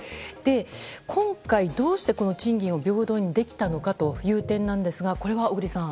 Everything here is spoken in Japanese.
今回、どうして賃金を平等にできたのかという点ですがこれは、小栗さん。